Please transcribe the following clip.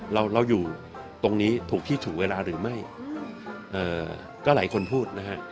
เราเราอยู่ตรงนี้ถูกที่ถูกเวลาหรือไม่เอ่อก็หลายคนพูดนะฮะ